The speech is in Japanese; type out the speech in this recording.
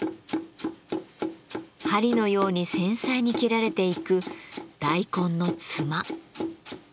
針のように繊細に切られていく大根のつま。